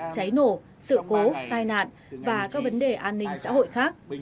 cháy nổ sự cố tai nạn và các vấn đề an ninh xã hội khác